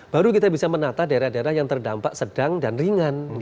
baru kita bisa menata daerah daerah yang terdampak sedang dan ringan